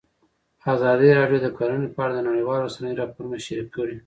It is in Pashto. ازادي راډیو د کرهنه په اړه د نړیوالو رسنیو راپورونه شریک کړي.